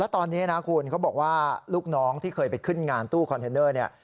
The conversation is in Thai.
ตอนนี้นะคุณเขาบอกว่าลูกน้องที่เคยไปขึ้นงานตู้คอนเทนเนอร์เนี่ย